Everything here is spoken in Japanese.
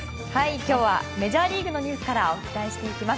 今日はメジャーリーグのニュースからお伝えしていきます。